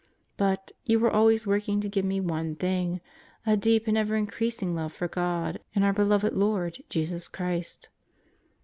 But, you were always working to give me one thing: a deep and ever increas ing love for God and our beloved Lord, Jesus Christ.